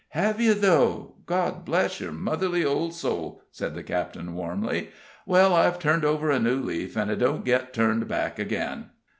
"Hev you, though? God bless your motherly old soul," said the captain, warmly. "Well, I've turned over a new leaf, and it don't git turned back again."